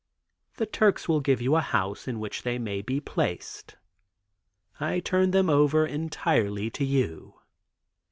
The Turks will give you a house in which they may be placed. I turn them over entirely to you.